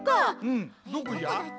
うんどこじゃ？